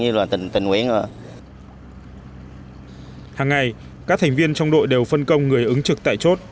hàng ngày các thành viên trong đội đều phân công người ứng trực tại chốt